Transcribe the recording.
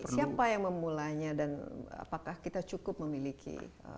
siapa yang memulainya dan apakah kita cukup memiliki